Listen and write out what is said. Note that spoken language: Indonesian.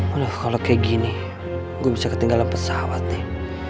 aduh kalau kayak gini gue bisa ketinggalan pesawat nih